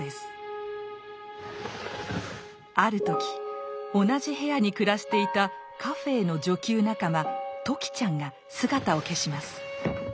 ある時同じ部屋に暮らしていたカフェーの女給仲間時ちゃんが姿を消します。